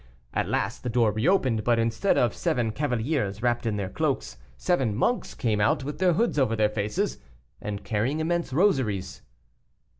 At last the door reopened, but, instead of seven cavaliers wrapped in their cloaks, seven monks came out, with their hoods over their faces, and carrying immense rosaries.